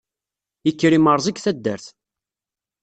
Yekker yimerẓi deg taddart.